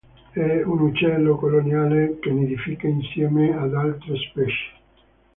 È un uccello coloniale che nidifica insieme ad altre specie.